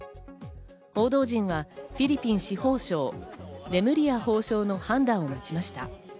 報道陣はフィリピン司法省・レムリヤ法相の判断を待ちました。